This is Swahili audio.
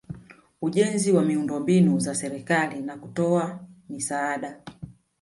ujenzi wa miundombinu za serikali na kutoa misaada